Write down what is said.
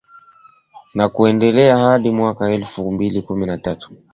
na kuendelea hadi mwaka elfu mbili kumi na tatu